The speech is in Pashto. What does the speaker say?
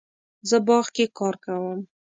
زه باغ کې کار کوم